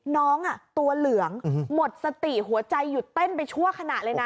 น้องตัวเหลืองหมดสติหัวใจหยุดเต้นไปชั่วขณะเลยนะ